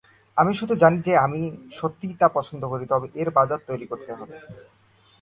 আমি শুধু জানি যে যদি আমি সত্যিই তা পছন্দ করি তবে এর বাজার তৈরি হবে।